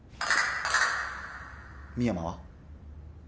深山は？